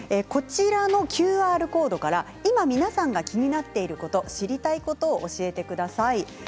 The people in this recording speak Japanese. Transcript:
こちらのＱＲコードから、今皆さんが気になっていること知りたいことを教えてください。